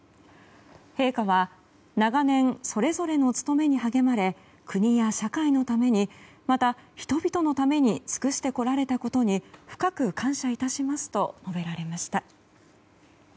陛下は長年、それぞれの務めに励まれ国や社会のためにまた、人々のために尽くしてこられたことに深く感謝いたしますと述べられました。